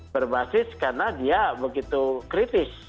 berbasis karena dia begitu kritis